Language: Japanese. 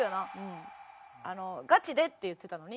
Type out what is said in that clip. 「ガチで」って言ってたのに。